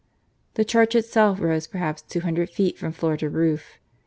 The church itself rose perhaps two hundred feet from floor to roof.